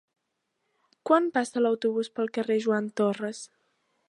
Quan passa l'autobús pel carrer Joan Torras?